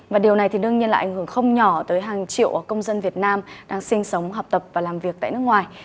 và điều này thì đương nhiên là ảnh hưởng không nhỏ tới hàng triệu công dân việt nam đang sinh sống học tập và làm việc tại nước ngoài